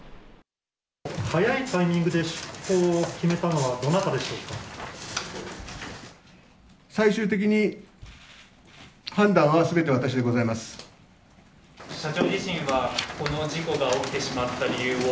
早いタイミングで出航を決め最終的に、社長自身は、この事故が起きてしまった理由を、